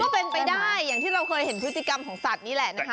เป็นไปได้อย่างที่เราเคยเห็นพฤติกรรมของสัตว์นี่แหละนะคะ